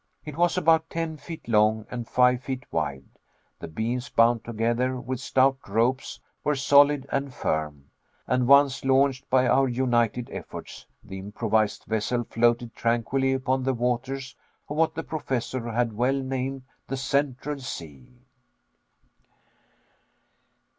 It was about ten feet long and five feet wide. The beams bound together with stout ropes, were solid and firm, and once launched by our united efforts, the improvised vessel floated tranquilly upon the waters of what the Professor had well named the Central Sea.